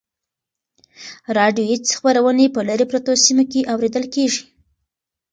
راډیویي خپرونې په لیرې پرتو سیمو کې اورېدل کیږي.